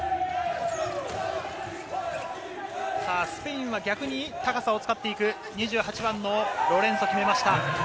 スペインは逆に高さを使っていく２８番のロレンソ、決めました。